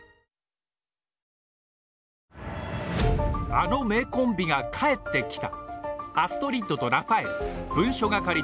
あの名コンビが帰ってきた！